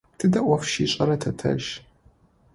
Тыдэ ӏоф щишӏэра тэтэжъ?